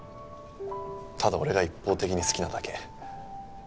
ただ俺が一方的に好きなだけ。